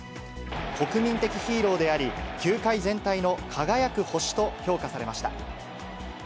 国民的ヒーローであり、球界全体の輝く星と評価されました。